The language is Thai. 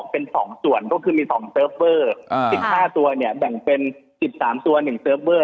เป็น๒ส่วนก็คือมี๒เซิร์ฟเวอร์๑๕ตัวเนี่ยแบ่งเป็น๑๓ตัว๑เซิร์ฟเวอร์